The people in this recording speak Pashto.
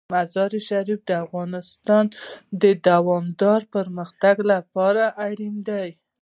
مزارشریف د افغانستان د دوامداره پرمختګ لپاره اړین دي.